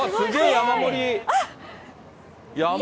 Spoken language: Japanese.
山盛りだ。